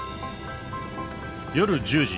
夜１０時。